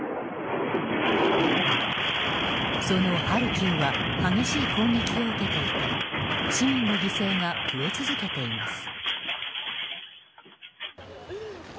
そのハルキウは激しい攻撃を受けていて市民の犠牲が増え続けています。